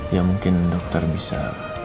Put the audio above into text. ya mungkin dokter bisa